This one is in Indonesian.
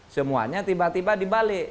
semuanya tiba tiba dibalik